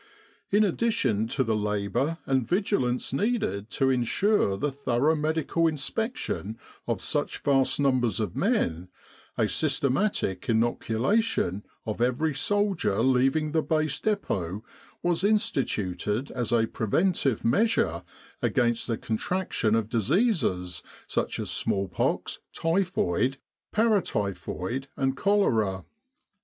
In addition to the labour and vigilance needed to ensure the thorough medical inspection of such vast numbers of men, a systematic inoculation of every soldier leaving the Base Depot was instituted as a preventive measure against the contraction of diseases such as smallpox, typhoid, paratyphoid, and cholera.